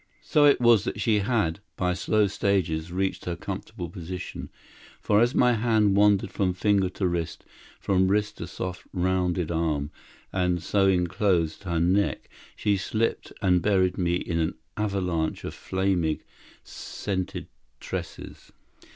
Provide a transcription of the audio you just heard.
So it was that she had, by slow stages, reached her comfortable position, for as my hand wandered from finger to wrist, from wrist to soft, rounded arm, and so inclosed her neck, she slipped and buried me in an avalanche of flaming, scented tresses.